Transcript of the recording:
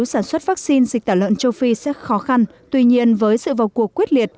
sản xuất vaccine dịch tả lợn châu phi sẽ khó khăn tuy nhiên với sự vào cuộc quyết liệt